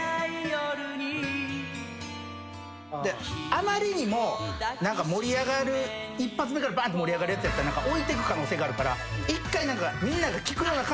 あまりにも一発目からバンって盛り上がるやつやったら置いてく可能性があるから一回。